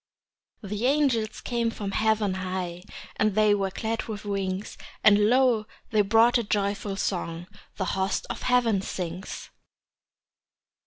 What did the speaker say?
The angels came from heaven high, And they were clad with wings; And lo, they brought a joyful song The host of heaven sings.